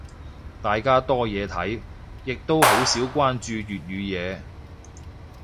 大家多嘢睇，亦都好少關注粵語嘢。